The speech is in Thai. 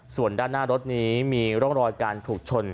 ส่วนด้านหน้ารถนี้มีร่องรอยการถูกชน